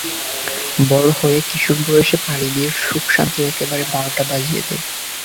বড়ো হয়ে কিশোর বয়সে পাড়ি দিয়ে, সুখ-শান্তির একেবারে বারোটা বাজিয়ে দেয়।